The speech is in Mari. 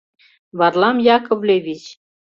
Варлам Яковлевич!